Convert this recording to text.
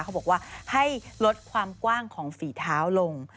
เขาบอกว่าให้ลดความกว้างของฝีเท้าลง